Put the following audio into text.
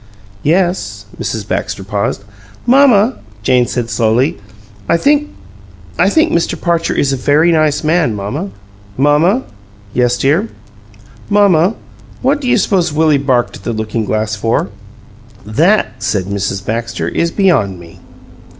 "Yes?" Mrs. Baxter paused. "Mamma," Jane said, slowly, "I think I think Mr. Parcher is a very nice man. Mamma?" "Yes, dear?" "Mamma, what do you s'pose Willie barked at the lookin' glass for?" "That," said Mrs. Baxter, "is beyond me.